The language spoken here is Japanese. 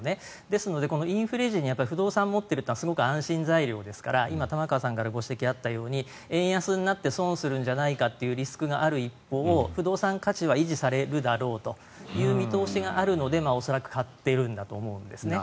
ですので、インフレ時に不動産を持ってるというのはすごく安心材料ですから今、玉川さんからご指摘あったように円安になって損するんじゃないかというリスクはある一方不動産価値は維持されるだろうという見通しがあるので恐らく買っているんだと思うんですね。